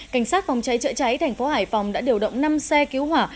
cảnh sát phòng cháy chữa cháy thành phố hải phòng đã điều động năm xe cứu hỏa